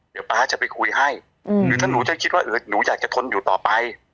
เดี๋ยวป๊าจะไปคุยให้หรือถ้าหนูจะคิดว่าเออหนูอยากจะทนอยู่ต่อไป